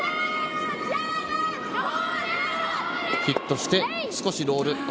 ヒットして少しロール。